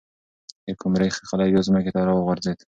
د قمرۍ خلی بیا ځمکې ته راوغورځېد.